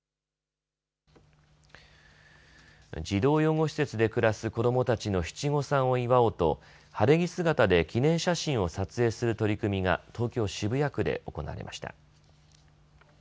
児童養護施設で暮らす子どもたちの七五三を祝おうと晴れ着姿で記念写真を撮影する取り組みが東京渋谷区で行われました。